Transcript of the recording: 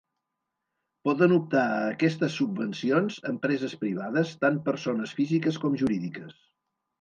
Poden optar a aquestes subvencions empreses privades, tant persones físiques com jurídiques.